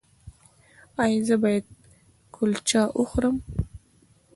ایا زه باید کلچه وخورم؟